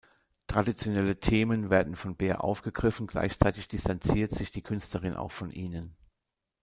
Traditionelle Themen werden von Baer aufgegriffen, gleichzeitig distanziert sich die Künstlerin auch von ihnen.